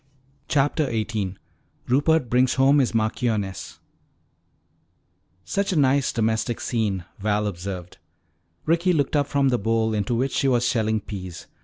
CHAPTER XVIII RUPERT BRINGS HOME HIS MARCHIONESS "Such a nice domestic scene," Val observed. Ricky looked up from the bowl into which she was shelling peas.